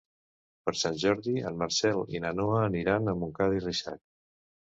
Per Sant Jordi en Marcel i na Noa aniran a Montcada i Reixac.